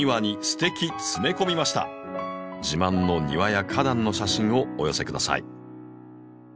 自慢の庭や花壇の写真をお寄せください。